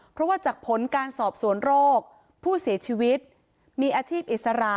เพราะว่าจากผลการสอบสวนโรคผู้เสียชีวิตมีอาชีพอิสระ